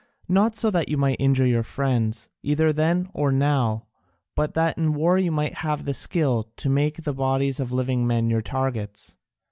Not so that you might injure your friends, either then or now, but that in war you might have the skill to make the bodies of living men your targets.